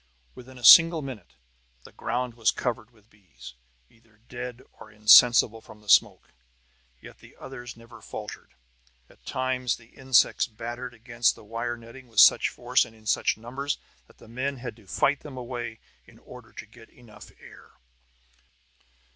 Within a single minute the ground was covered with bees, either dead or insensible from the smoke. Yet the others never faltered. At times the insects battered against the wire netting with such force, and in such numbers, that the men had to fight them away in order to get enough air.